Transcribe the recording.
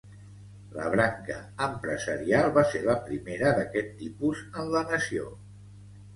La "Branca empresarial" va ser la primera d'aquest tipus en la nació.